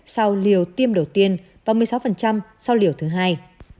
sau liều tiêm đầu tiên và một mươi sáu sau liều thứ hai